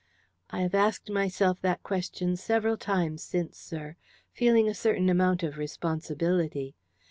"I have asked myself that question several times since, sir feeling a certain amount of responsibility.